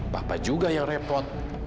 papa juga yang repot